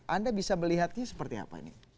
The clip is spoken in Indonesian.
anda bisa melihatnya seperti apa nih